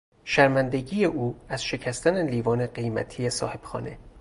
شرمندگی او از شکستن لیوان قیمتی صاحب خانه